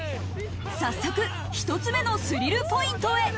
早速、一つ目のスリルポイントへ。